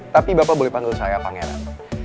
tapi bapak boleh panggil saya pangeran